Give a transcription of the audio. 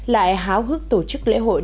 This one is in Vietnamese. lại háo hức tổ chức lễ hội